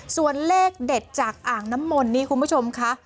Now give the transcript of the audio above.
ส่วนเลขเด็ดจากอ่างน้ำมนต์นี่คุณผู้ชมค่ะ